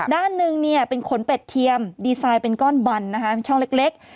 ด้านหนึ่งเป็นขนเป็ดเทียมดีไซน์เป็นก้อนบันช่องเล็ก